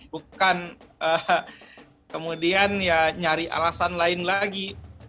bukan kemudian ya nyari alasan lain lagi